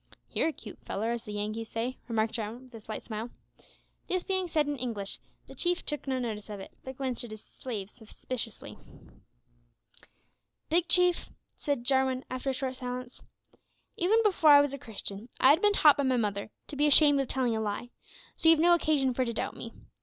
"You're a cute fellar, as the Yankees say," remarked Jarwin, with a slight smile. This being said in English, the Chief took no notice of it, but glanced at his slave suspiciously. "Big Chief," said Jarwin, after a short silence, "even before I was a Christian, I had been taught by my mother to be ashamed of telling a lie, so you've no occasion for to doubt me.